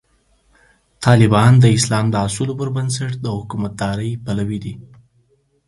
طالبان د اسلام د اصولو پر بنسټ د حکومتدارۍ پلوي دي.